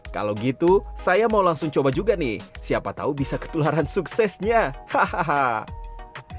kalau gitu saya mau langsung coba juga nih siapa tahu bisa ketularan suksesnya hahaha